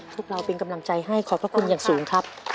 พวกเราเป็นกำลังใจให้ขอบพระคุณอย่างสูงครับ